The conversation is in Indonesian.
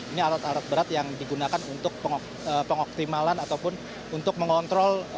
ini alat alat berat yang digunakan untuk pengoptimalan ataupun untuk mengontrol